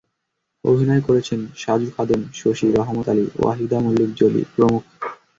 অভিনয় করেছেন সাজু খাদেম, শশী, রহমত আলী, ওয়াহিদা মল্লিক জলি প্রমুখ।